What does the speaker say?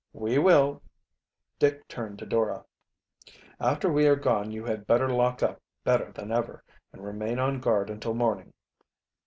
"We will." Dick turned to Dora. "After we are gone you had better lock up better than ever, and remain on guard until morning."